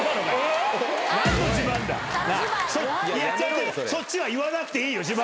そっちは言わなくていいよ